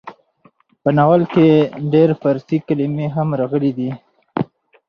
په ناول کې ډېر فارسي کلمې هم راغلې ډي.